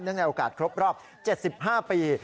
เนื่องในโอกาสครบรอบ๗๕ปี